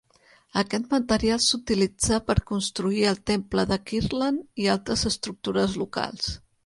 Aquest material s'utilitzà per construir el temple de Kirtland i altres estructures locals.